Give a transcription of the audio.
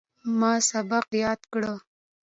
ما سبق یاد کړ.